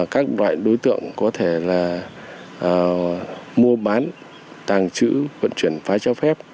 các đối tượng có thể mua bán tàng trữ vận chuyển phái trao phép